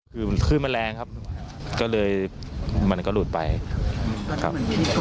คือคลื่นมันแรงครับก็เลยมันก็หลุดไปครับ